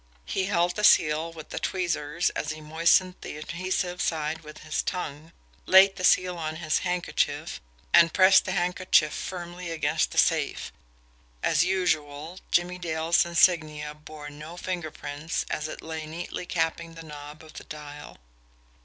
He held the seal with the tweezers as he moistened the adhesive side with his tongue, laid the seal on his handkerchief, and pressed the handkerchief firmly against the safe as usual, Jimmie Dale's insignia bore no finger prints as it lay neatly capping the knob of the dial.